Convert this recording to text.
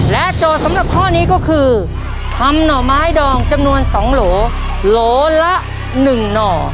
โจทย์สำหรับข้อนี้ก็คือทำหน่อไม้ดองจำนวน๒โหลโหลละ๑หน่อ